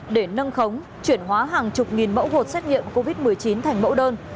để nâng khống chuyển hóa hàng chục nghìn mẫu hột xét nghiệm covid một mươi chín thành mẫu đơn